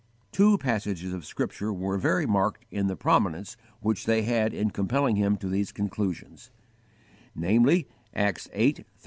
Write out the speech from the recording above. Two passages of Scripture were very marked in the prominence which they had in compelling him to these conclusions, namely: Acts viii.